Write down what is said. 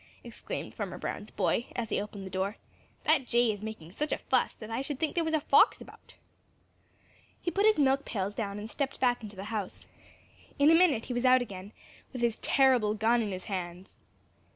exclaimed Farmer Brown's boy, as he opened the door. "That Jay is making such a fuss that I should think there was a fox about." He put his milk pails down and stepped back into the house. In a minute he was out again, with his terrible gun in his hands.